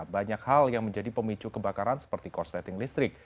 banyak hal yang menjadi pemicu kebakaran seperti korsleting listrik